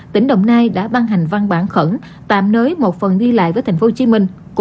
tp hcm đã ban hành văn bản khẩn tạm nới một phần ghi lại với tp hcm